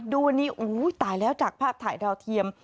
ดูวันนี้ตายแล้วจากภาพถ่ายดาวเทียม